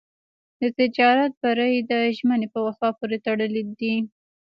د تجارت بری د ژمنې په وفا پورې تړلی دی.